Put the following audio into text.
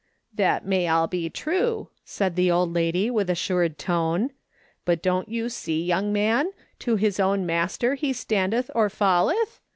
" That may all be true," snid the old lady with assured tone ;" but don't you see, young »ian, ' To his own master lie standeth or falleth'